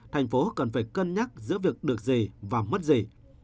thành phố cần phải cân nhắc giữa việc được gì và mất gì